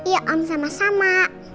yuk om sama sama